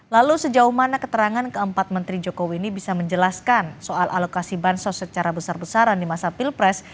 lalu sejauh mana keterangan keempat menteri jokowi ini bisa menjelaskan soal alokasi bansos secara besar besaran di masa pilpres